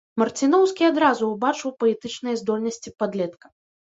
Марціноўскі адразу ўбачыў паэтычныя здольнасці падлетка.